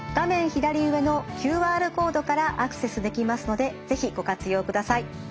左上のＱＲコードからアクセスできますので是非ご活用ください。